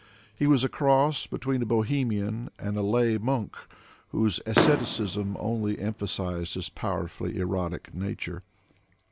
He was a cross between a Bohemian and a lay monk, whose asceticism only emphasized his powerfully erotic nature.